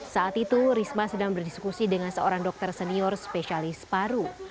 saat itu risma sedang berdiskusi dengan seorang dokter senior spesialis paru